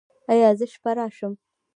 ایا زه شپه راشم؟